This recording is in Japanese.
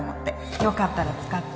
よかったら使って